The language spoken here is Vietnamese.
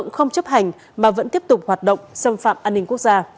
không chấp hành mà vẫn tiếp tục hoạt động xâm phạm an ninh quốc gia